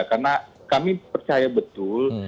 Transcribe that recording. karena kami percaya betul